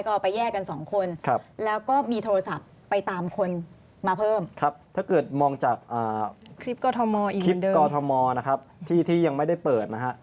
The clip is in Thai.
ออกไปแยกกัน๒คนแล้วก็มีโทรศัพท์ไปตามคนมาเพิ่ม